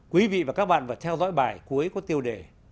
quý vị và các bạn vừa theo dõi bài cuối của tiêu đề